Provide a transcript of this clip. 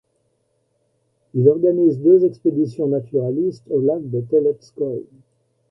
Il organise deux expéditions naturalistes au lac Teletskoïe.